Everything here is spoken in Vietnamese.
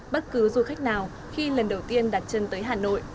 bất cứ du khách nào khi lần đầu tiên đặt chân tới hà nội